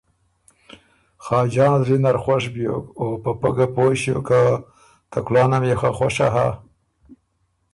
خاجان زلي نر خوش بيوک او په پۀ ګه پویٛ ݭیوک که ته کلانه ميې خه خوشه هۀ۔